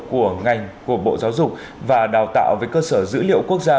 của ngành của bộ giáo dục và đào tạo với cơ sở dữ liệu quốc gia